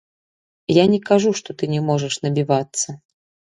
Я не кажу, што ты не можаш набівацца.